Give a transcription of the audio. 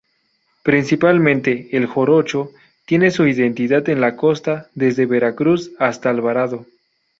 Principalmente el Jarocho tiene su identidad en la costa, desde Veracruz hasta Alvarado.